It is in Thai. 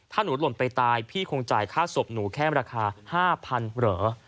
ถ้าหนูหล่นไปตายพี่คงจ่ายค่าศพหนูแค่ราคา๕๐๐๐เหรอ